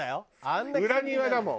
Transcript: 裏庭だもん。